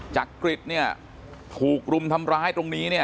จักริตเนี่ยถูกรุมทำร้ายตรงนี้เนี่ย